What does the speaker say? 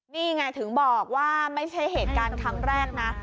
นี่ไงถึงบอกว่าไม่ใช่เหตุการณ์ครั้งแรกนะ